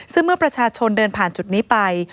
ซึ่งเมื่อประชาชนเดินผ่านจุดนี้ไป